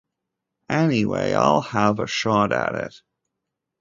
Anyway, I'll have a shot at it.